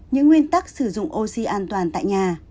những nguyên tắc sử dụng oxy an toàn tại nhà